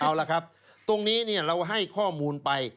เอาล่ะครับตรงนี้เราให้ข้อมูลไป